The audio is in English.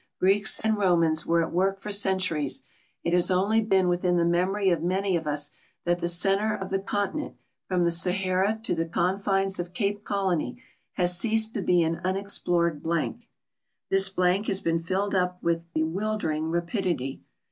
Greeks, and I'omans were at work for centuries, it has only l)een within the memory of many of us that the center of the continent, from the Sahara to the con fines of Cape Colony, has ceased to he an unexplored hlank. This blank has been filled up with bewildering raj)idity.